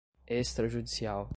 extrajudicial